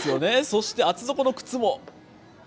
そして、厚底の靴も。